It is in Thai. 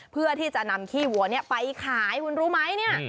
เพื่อที่จะนำขี้วัวไปขายคุณรู้ไหมเนี่ย